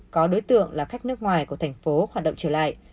có đối tượng là khách nước ngoài của thành phố hoạt động trở lại